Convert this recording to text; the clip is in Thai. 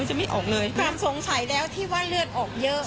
จะไม่ออกเลยความสงสัยแล้วที่ว่าเลือดออกเยอะ